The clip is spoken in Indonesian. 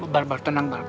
bar bar tenang bar